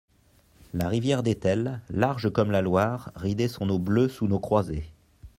La rivière d'Etel, large comme la Loire, ridait son eau bleue sous nos croisées.